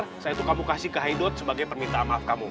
setelah itu kamu kasih ke haidot sebagai permintaan maaf kamu